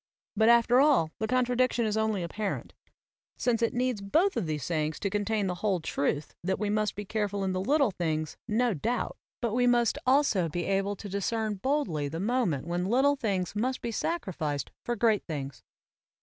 But after all the contradiction is only apparent, since it needs both of these sayings to contain the whole truth that we must be careful in little things, no doubt, but we must also be able to discern boldly the moment when little things must be sacrificed for great things.